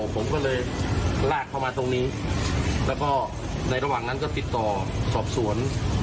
ผมก็เลยลากเข้ามาตรงนี้แล้วก็ในระหว่างนั้นก็ติดต่อสอบสวน